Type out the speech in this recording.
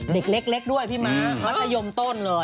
เด็กเล็กด้วยพี่ม้ามัธยมต้นเลย